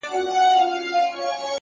اخلاق د شخصیت نه جلا کېدونکی رنګ دی!